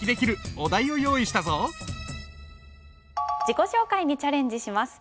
自己紹介にチャレンジします。